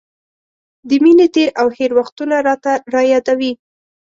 د مینې تېر او هېر وختونه راته را یادوي.